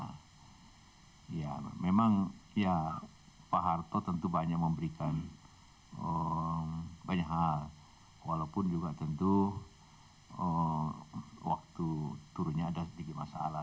ya memang ya pak harto tentu banyak memberikan banyak hal walaupun juga tentu waktu turunnya ada sedikit masalah